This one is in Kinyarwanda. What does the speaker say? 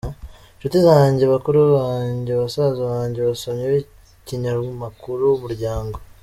Nshuti zanjye , bakuru banjye basaza banjye basomyi b’ikinyamakuru umuryango.